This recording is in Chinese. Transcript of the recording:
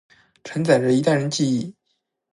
承载着一代人的记忆